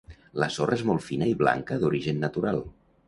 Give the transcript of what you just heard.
La sorra és molt fina i blanca d'origen natural.